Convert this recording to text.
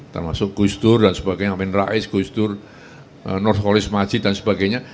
termasuk gus dur dan sebagainya amin rais gus dur norkolis majid dan sebagainya